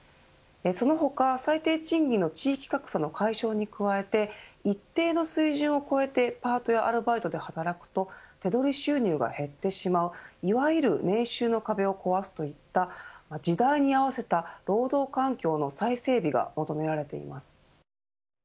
その他、最低賃金の地域格差の解消に加えて一定の水準を超えてパートやアルバイトで働くと手取り収入が減ってしまういわゆる年収の壁を壊すといった時代に合わせた労働環境の再整備が求められています。